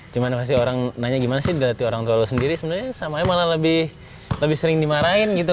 cuman pasti orang nanya gimana sih dilatih orang tua lo sendiri sebenernya sama aja malah lebih sering dimarahin gitu